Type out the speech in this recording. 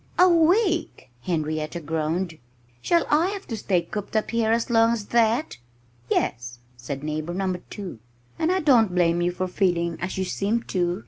"A week!" Henrietta groaned. "Shall I have to stay cooped up here as long as that?" "Yes!" said Neighbor Number 2. "And I don't blame you for feeling as you seem to.